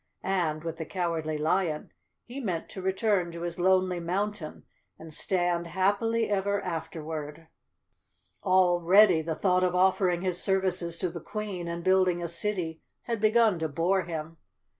And, with the Cowardly Lion, he meant to return to his lonely mountain and stand happily ever afterward. Already the thought of offering his services to the Queen and building a city had begun to bore him.